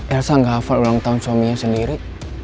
elsa gak hafal ulang tahun suaminya sendiri